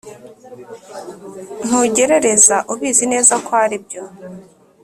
Ntugerereza ubizi neza ko aribyo